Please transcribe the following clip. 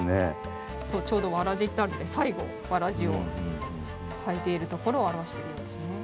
そうちょうど「草鞋」ってあるので最後草鞋を履いているところを表しているようですね。